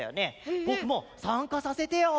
ぼくもさんかさせてよ！